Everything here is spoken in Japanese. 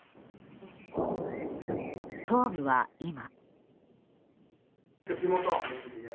東部は今。